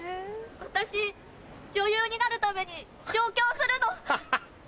私女優になるために上京するの。